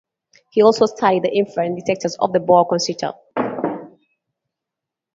He also studied the infrared-detectors of the Boa constrictor.